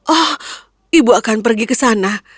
oh ibu akan pergi ke sana